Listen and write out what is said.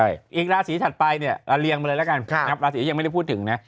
ใช่อีกราศีถัดไปเนี่ยเรียงมาเลยแล้วกันนะครับราศียังไม่ได้พูดถึงนะ